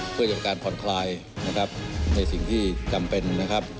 เพื่อเป็นการผ่อนคลายนะครับในสิ่งที่จำเป็นนะครับ